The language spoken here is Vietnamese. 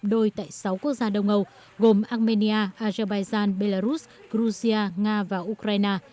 đôi tại sáu quốc gia đông âu gồm armenia azerbaijan belarus cruzia nga và ukraine